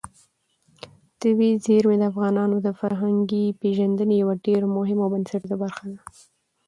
طبیعي زیرمې د افغانانو د فرهنګي پیژندنې یوه ډېره مهمه او بنسټیزه برخه ده.